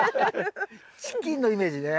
チキンのイメージね。